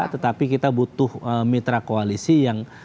tetapi kita butuh mitra koalisi yang